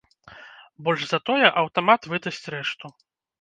Больш за тое, аўтамат выдасць рэшту.